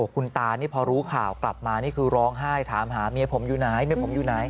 คุณตานี่พอรู้ข่าวกลับมานี่คือร้องไห้ถามหาเมียผมอยู่ไหนเมียผมอยู่ไหน